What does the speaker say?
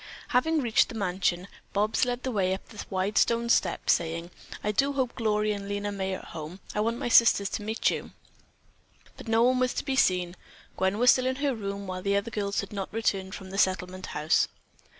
Having reached the mansion, Bobs led the way up the wide stone steps, saying: "I do hope Gloria and Lena May are at home. I want my sisters to meet you." But no one was to be seen. Gwen was still in her room, while the other girls had not returned from the Settlement House.